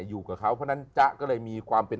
อยู่กับเขาเพราะฉะนั้นจ๊ะก็เลยมีความเป็น